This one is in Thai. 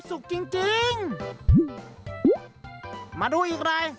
สวัสดีครับ